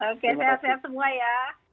oke sehat sehat semua ya